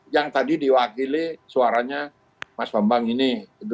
yang tadi diwakili suaranya mas bambang ini